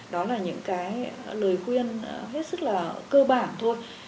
đó là những cái lời khuyên hết sức là cơ bản thôi